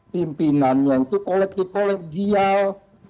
pimpinannya itu kolektif kolektif